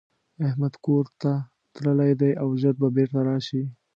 احمدکورته تللی دی او ژر به بيرته راشي.